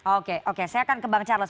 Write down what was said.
oke oke saya akan ke bang charles